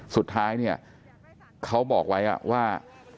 สุดท้ายเนี่ยเขาบอกไว้ว่า